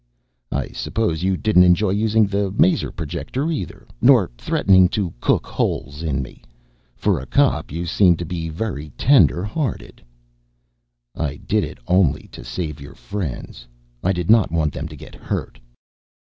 "I suppose you didn't enjoy using the maser projector either, nor threatening to cook holes in me. For a cop you seem to be very tender hearted." "I did it only to save your friends. I did not want them to get hurt."